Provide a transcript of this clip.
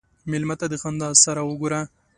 مېلمه ته د خندا سره وګوره.